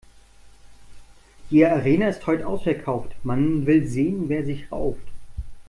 Die Arena ist heut' ausverkauft, man will sehen, wer sich rauft.